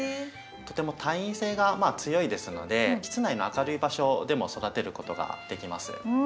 とても耐陰性が強いですので室内の明るい場所でも育てることができます。